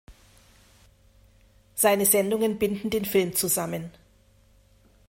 Seine Sendungen binden den Film zusammen.